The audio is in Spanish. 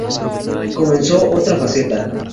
Comenzó otra faceta.